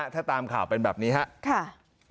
ถ้าตามข่าวเป็นแบบนี้ครับ